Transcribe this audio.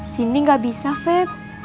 sindi gak bisa feb